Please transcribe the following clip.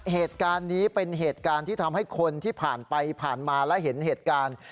เหตุการณ์นี้เป็นเหตุการณ์ที่ทำให้คนที่ผ่านไปผ่านมาและเห็นเหตุการณ์